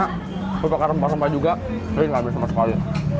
ketuk rempah rempah juga jadi nggak abis sama sekali